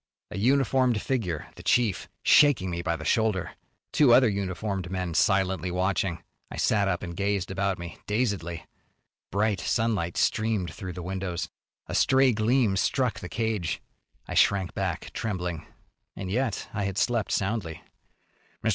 A uniformed figure, the chief, shaking me by the shoulder. Two other uniformed men silently watching. I sat up and gazed about me, dazedly. Bright sunlight streamed through the windows. A stray gleam struck the cage. I shrank back, trembling. And yet I had slept soundly. "Mr.